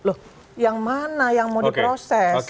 loh yang mana yang mau diproses